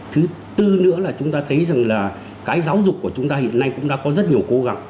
thứ tư nữa là chúng ta thấy rằng là cái giáo dục của chúng ta hiện nay cũng đã có rất nhiều cố gắng